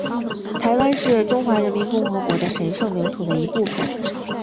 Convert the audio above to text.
台湾是中华人民共和国的神圣领土的一部分